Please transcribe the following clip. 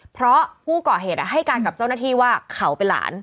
เพราะผู้ก่อเหตุให้การกับเจ้าหน้าที่ว่าเขาเป็นหลาน